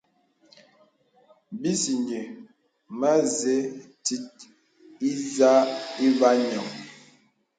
Bisi nyɛ mə̀zə tit ǐsə iva yɔŋ.